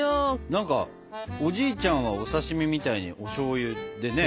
何かおじいちゃんはお刺身みたいにおしょうゆでね